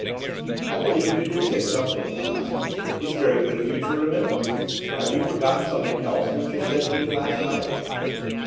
'I believe you did say something of the kind, it's very good of you to remember. Have you forgotten something else which you said to me last night?